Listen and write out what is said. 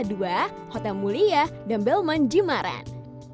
sama dua hotel mulia dan belmond jimaran